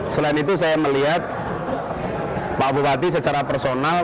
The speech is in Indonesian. selain itu saya melihat pak bupati secara personal